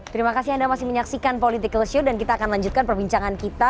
terima kasih anda masih menyaksikan political show dan kita akan lanjutkan perbincangan kita